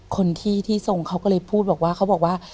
คนที่ที่ทรงเขาก็เลยพูดบอกว่า